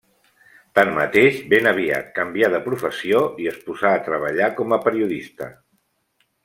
Tanmateix ben aviat canvià de professió i es posà a treballar com a periodista.